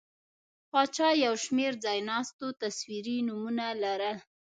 پاچا یو شمېر ځایناستو تصویري نومونه لرل.